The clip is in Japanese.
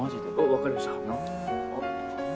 わかりました。